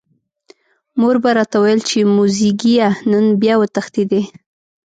مور به راته ویل چې موزیګیه نن بیا وتښتېدې.